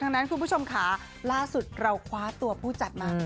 ดังนั้นคุณผู้ชมค่ะล่าสุดเราคว้าตัวผู้จัดมา